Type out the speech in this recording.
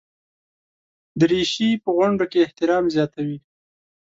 دریشي په غونډو کې احترام زیاتوي.